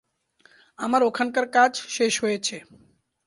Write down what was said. আমার ওখানকার কাজ শেষ হয়েছে।